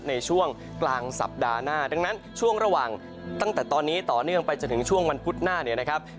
ในช่วงกลางสัปดาห์หน้าดังนั้นช่วงระหว่างตั้งแต่ตอนนี้ต่อเนื่องไปจนถึงช่วงวันพุธหน้าเนี่ยนะครับ